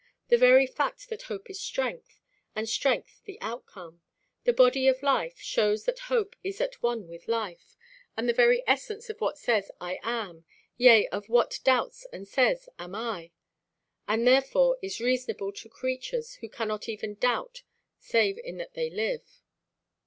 The very fact that hope is strength, and strength the outcome, the body of life, shows that hope is at one with life, with the very essence of what says 'I am' yea, of what doubts and says 'Am I?' and therefore is reasonable to creatures who cannot even doubt save in that they live."